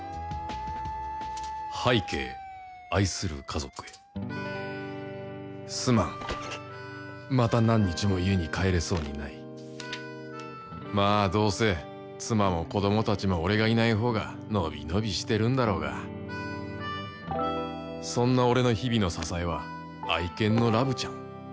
拝啓愛する家族へすまんまた何日も家に帰れそうにないまぁどうせ妻も子供たちも俺がいないほうが伸び伸びしてるんだろうがそんな俺の日々の支えは愛犬のラブちゃん・ワン！